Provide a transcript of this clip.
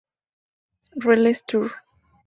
Relentless Tour.